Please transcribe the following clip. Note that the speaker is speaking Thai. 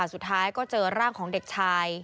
สุดท้ายก็เจอร่างของเด็กชาย